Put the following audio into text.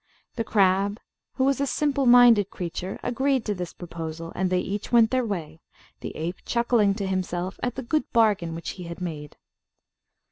The crab, who was a simple minded creature, agreed to this proposal; and they each went their way, the ape chuckling to himself at the good bargain which he had made.